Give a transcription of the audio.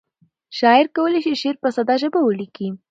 شاعر کولی شي شعر په ساده ژبه ولیکي.